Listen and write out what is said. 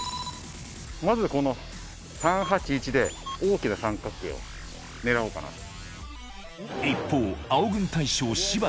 まずこの３８１で大きな三角形を狙おうかなと。